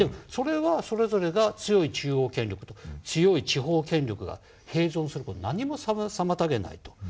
それはそれぞれが強い中央権力と強い地方権力が併存する事を何も妨げないと。